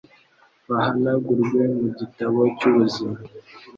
bahanagurwe mu gitabo cy’ubuzima